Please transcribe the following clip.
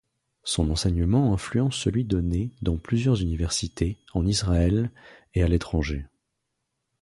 Son enseignement influence celui donné dans plusieurs universités, en Israël et à l'étranger.